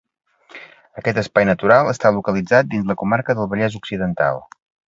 Aquest espai natural està localitzat dins la comarca del Vallès Occidental.